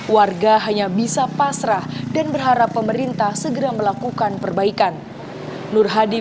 warga hanya bisa pasrah dan berharap pemerintah segera melakukan perbaikan